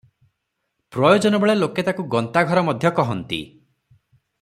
ପ୍ରୟୋଜନବେଳେ ଲୋକେ ତାହାକୁ ଗନ୍ତାଘର ମଧ୍ୟ କହନ୍ତି ।